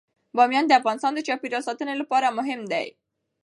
بامیان د افغانستان د چاپیریال ساتنې لپاره مهم دي.